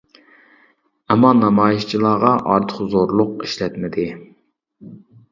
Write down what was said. ئەمما نامايىشچىلارغا ئارتۇق زورلۇق ئىشلەتمىدى.